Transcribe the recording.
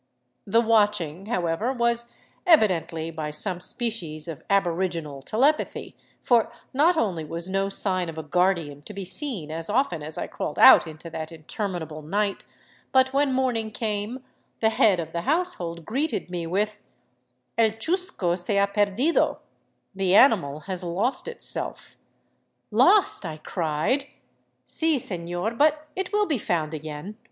The " watching," however, was evi dently by some species of aboriginal telepathy; for not only was no sign of a guardian to be seen as often as I crawled out into that in terminable night, but when morning came the head of the household greeted me with: " El chusco se ha perdido — the animal has lost itself." " Lost !" I cried. 311 VAGABONDING DOWN THE ANDES " Si, senor, but it will be found again.